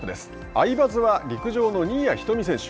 アイバズは陸上の新谷仁美選手。